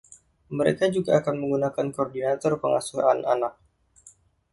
Mereka juga akan menggunakan koordinator pengasuhan anak.